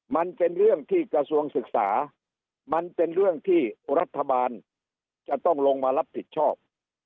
มันเป็นเรื่องที่กระทรวงศึกษามันเป็นเรื่องที่รัฐบาลจะต้องลงมารับผิดชอบ